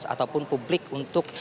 ataupun publik untuk